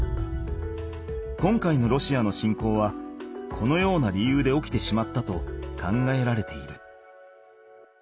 今回のロシアの侵攻はこのような理由で起きてしまったと考えられている。